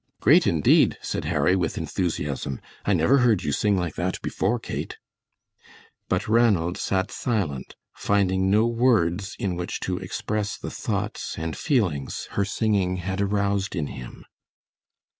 "Great indeed;" said Harry, with enthusiasm. "I never heard you sing like that before, Kate." But Ranald sat silent, finding no words in which to express the thoughts and feelings her singing had aroused in him.